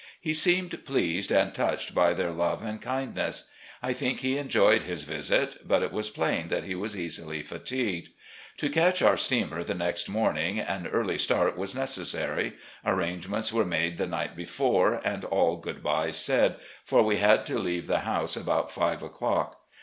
He seemed pleased and touched by their love and kindness. I think he enjoyed his visit, but it was plain that he was easily fatigued. To catch our steamer the next morning, an early start was necessary. Arrangements were made the night before, and all good byes said, for we had to leave the house about five o'clock.